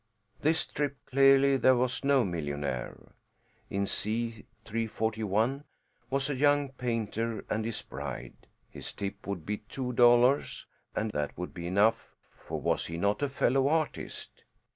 This trip, clearly, there was no millionaire. In C 341 was a young painter and his bride; his tip would be two dollars, and that would be enough, for was he not a fellow artist?